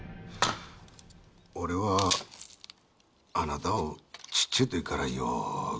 俺はあなたをちっちぇえ時からよぐ